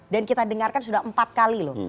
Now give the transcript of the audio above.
dan kita dengarkan sudah empat kali loh